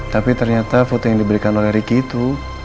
tapi ternyata foto yang diberikan oleh ricky itu